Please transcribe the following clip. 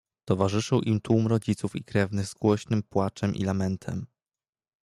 "Towarzyszył im tłum rodziców i krewnych z głośnym płaczem i lamentem."